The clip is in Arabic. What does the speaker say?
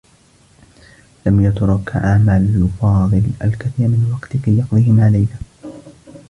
لم يترك عمل فاضل الكثير من الوقت كي يقضيه مع ليلى.